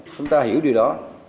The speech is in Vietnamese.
chúng ta hiểu điều đó